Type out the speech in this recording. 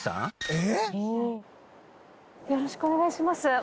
よろしくお願いします。